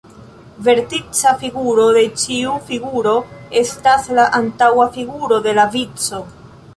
Vertica figuro de ĉiu figuro estas la antaŭa figuro de la vico.